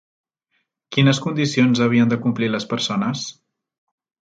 Quines condicions havien de complir les persones?